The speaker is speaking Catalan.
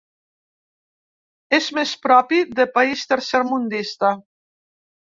És més propi de país tercermundista.